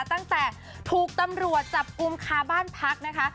ตั้งแต่ถูกตำรวจจับกุมคาบ้านพักนะคะ